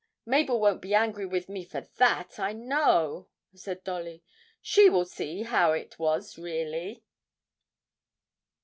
'Mabel won't be angry with me for that, I know,' said Dolly; 'she will see how it was really.'